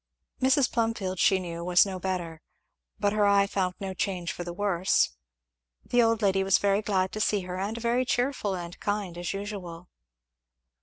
Mrs. Plumfield, she knew, was no better. But her eye found no change for the worse. The old lady was very glad to see her, and very cheerful and kind as usual.